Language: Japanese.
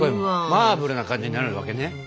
マーブルな感じになるわけね！